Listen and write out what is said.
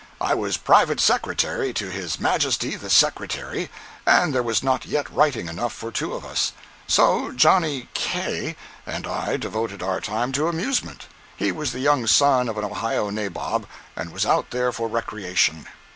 I was private Secretary to his majesty the Secretary and there was not yet writing enough for two of us. So Johnny K——and I devoted our time to amusement. He was the young son of an Ohio nabob and was out there for recreation.